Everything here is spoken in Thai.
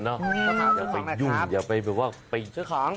นะครับทีแบบเมื่อไปยุ่น